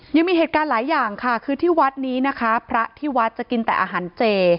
ยังมีเหตุการณ์หลายอย่างค่ะคือที่วัดนี้นะคะพระที่วัดจะกินแต่อาหารเจ